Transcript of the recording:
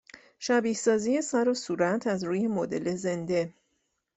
شبیه سازی سر و صورت از روی مدل زنده